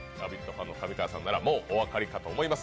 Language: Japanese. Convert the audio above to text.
ファンの上川さんならもうお分かりかと思います。